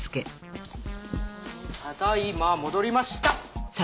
ただ今戻りました。